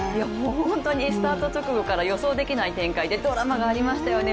本当にスタート直後から予想できない展開でドラマがありましたよね。